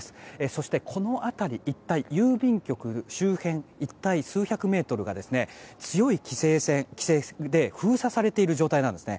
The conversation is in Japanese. そしてこの辺り一帯郵便局周辺一帯数百メートルが強い規制線で封鎖されている状態です。